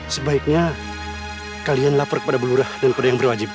sebaiknya kalian lapor kepada belurah dan kepada yang berwajib